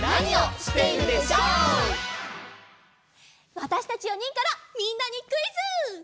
わたしたち４にんからみんなにクイズ！